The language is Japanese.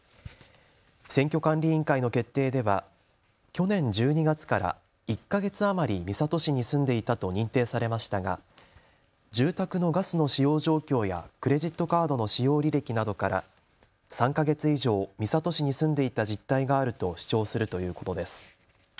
選挙管理委員会の決定では去年１２月から１か月余り三郷市に住んでいたと認定されましたが住宅のガスの使用状況やクレジットカードの使用履歴などから３か月以上、三郷市に住んでいた実態があると主張するということです。